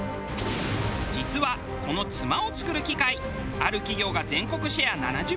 実はこのつまを作る機械ある企業が全国シェア７０パーセント超え。